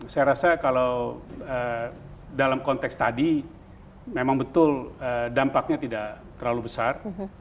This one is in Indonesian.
saya rasa kalau dalam konteks tadi memang betul dampaknya tidak terlalu besar